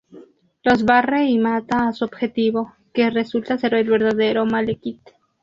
Los barre y mata a su objetivo, que resulta ser el verdadero Malekith.